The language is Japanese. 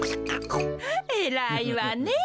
えらいわね。